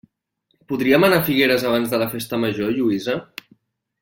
Podríem anar a Figueres abans de la festa major, Lluïsa?